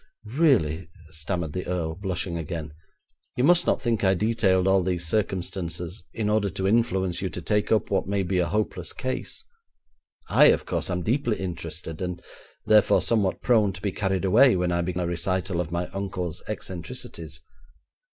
'Really,' stammered the earl, blushing again, 'you must not think I detailed all these circumstances in order to influence you to take up what may be a hopeless case. I, of course, am deeply interested, and, therefore, somewhat prone to be carried away when I begin a recital of my uncle's eccentricities.